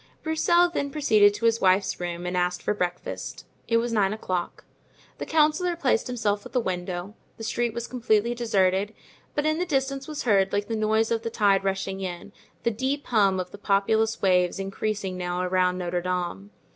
Broussel then proceeded to his wife's room and asked for breakfast; it was nine o'clock. The councillor placed himself at the window; the street was completely deserted, but in the distance was heard, like the noise of the tide rushing in, the deep hum of the populous waves increasing now around Notre Dame.